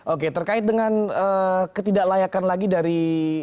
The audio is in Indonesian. oke terkait dengan ketidaklayakan lagi dari